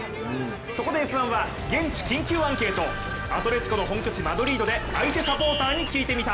そこで「Ｓ☆１」は現地緊急アンケートアトレチコの本拠地マドリードで相手サポーターに聞いてみた。